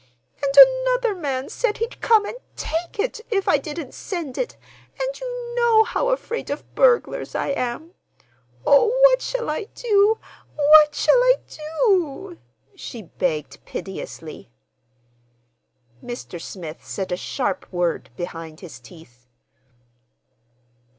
And another man said he'd come and take it if I didn't send it; and you know how afraid of burglars I am! Oh what shall I do, what shall I do?" she begged piteously. Mr. Smith said a sharp word behind his teeth.